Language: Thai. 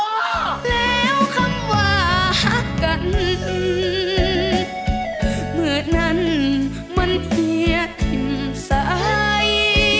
แล้วคำว่าหักกันเมื่อนั้นมันเสียทิ้งสาย